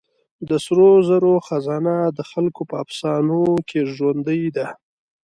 د سرو زرو خزانه د خلکو په افسانو کې ژوندۍ ده.